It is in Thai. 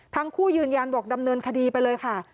ทางคู่ยืนยานบอกดำเนินคดีไปเลยค่ะ